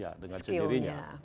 ya dengan sendirinya